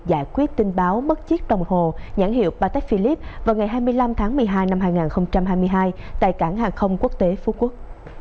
giải quyết tin báo mất chiếc đồng hồ nhãn hiệu patech philip vào ngày hai mươi năm tháng một mươi hai năm hai nghìn hai mươi hai tại cảng hàng không quốc tế phú quốc